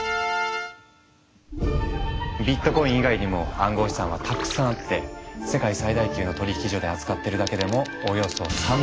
ビットコイン以外にも暗号資産はたくさんあって世界最大級の取引所で扱ってるだけでもおよそ３００種類。